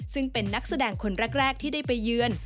ซึ่งเป็นนักแสดงคนแรกที่ได้ไปเยือน